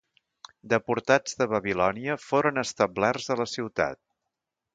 Deportats de Babilònia foren establerts a la ciutat.